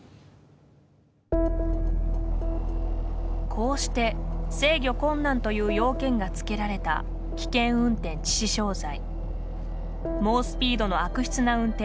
こうして制御困難という要件がつけられた危険運転致死傷罪。